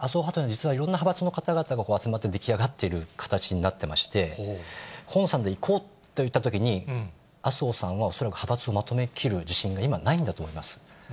ただ麻生派というのはいろんな派閥の方々が集まって出来上がってる形になっていまして、河野さんでいこうといったときに、麻生さんは恐らく派閥をまとめきる自信が今ないんだと思います。